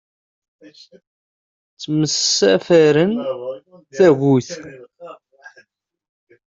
Ttemsafarren tagut.